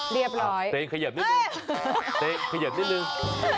เรียบร้อยเนี่ยเนี่ยขยับนิดนึง